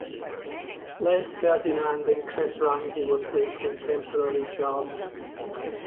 Les Ferdinand and Chris Ramsey were placed in temporary charge.